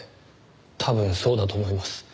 多分そうだと思います。